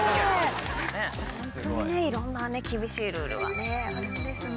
ホントにいろんな厳しいルールがあるんですね。